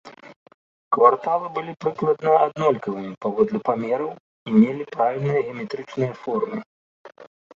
Кварталы былі прыкладна аднолькавымі паводле памераў і мелі правільныя геаметрычныя формы.